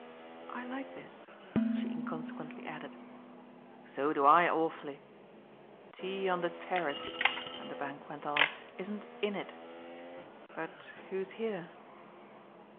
"I like this," she inconsequently added. "So do I awfully. Tea on the terrace," Vanderbank went on, "isn't 'in' it. But who's here?"